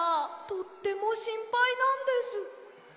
とってもしんぱいなんです。